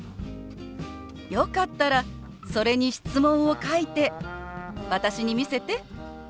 よかったらそれに質問を書いて私に見せて。